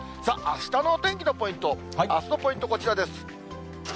あしたのお天気のポイント、あすのポイント、こちらです。